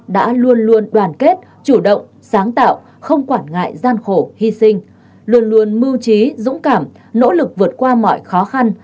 đã luôn luôn đoàn kết chủ động sáng tạo không quản ngại gian khổ hy sinh luôn luôn mưu trí dũng cảm nỗ lực vượt qua mọi khó khăn